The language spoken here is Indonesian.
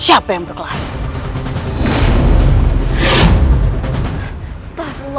siapa yang berkelanjutan